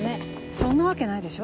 そんなわけないでしょ